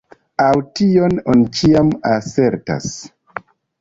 Aŭ tion oni ĉiam asertas.